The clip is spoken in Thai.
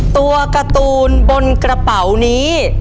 ตัวการ์ตูนบนกระเป๋านี้